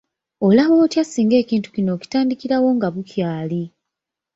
Olaba otya singa ekintu kino okitandikirawo nga bukyali?